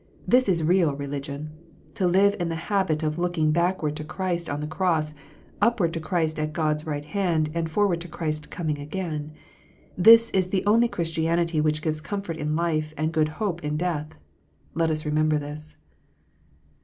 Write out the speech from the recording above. This is real religion. To live in the habit of looking backward to Christ on the Cross, upward to Christ at God s right hand, and forward to Christ coming again, this is the only Christianity which gives comfort in life and good hope in death. Let us remember this.